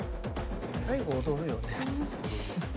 最後踊るよね。